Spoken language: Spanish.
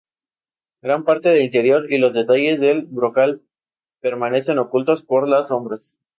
Gran parte del interior y los detalles del brocal permanecen ocultos por las sombras.